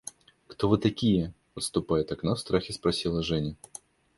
– Кто вы такие? – отступая от окна, в страхе спросила Женя.